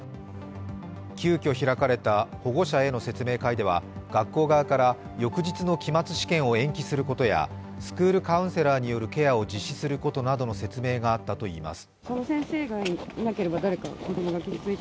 急きょ開かれた保護者への説明会では学校側から翌日の期末試験を延期することやスクールカウンセラーによるケアを実施することなどの説明があったといいます。